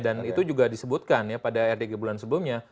itu juga disebutkan ya pada rdg bulan sebelumnya